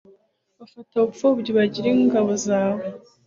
bafate bupfubyi ubagire ingabo zawe